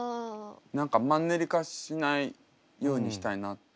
何かマンネリ化しないようにしたいなって。